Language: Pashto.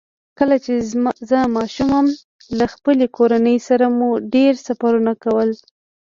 کله چې زه ماشوم وم، له خپلې کورنۍ سره مو ډېر سفرونه کول.